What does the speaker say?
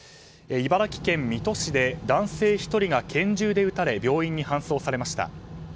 茨城県水戸市で男性１人が拳銃で撃たれ病院に搬送されました。